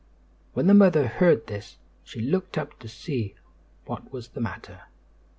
When the mother heard this she looked up to see what was the matter.